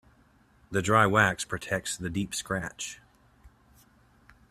The dry wax protects the deep scratch.